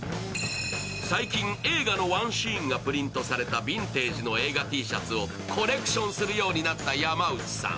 最近、映画のワンシーンがプリントされたビンテージの映画Ｔシャツをコレクションなったようになった山内さん。